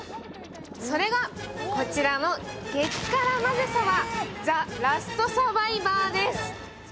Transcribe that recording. それが、こちらの激辛まぜそば、ザ・ラストサバイバーです。